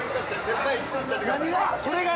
何が？